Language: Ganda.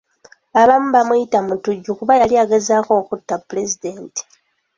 Abamu bamuyita mutujju kuba yali agezaako okutta Pulezidenti.